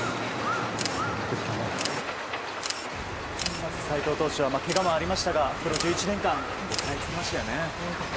まず、斎藤投手はけがもありましたがプロ１１年間食らいつきましたよね。